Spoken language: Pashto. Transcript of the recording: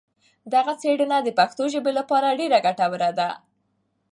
دغه څېړنه د پښتو ژبې لپاره ډېره ګټوره ده.